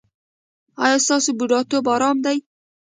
ایا ستاسو بوډاتوب ارام دی؟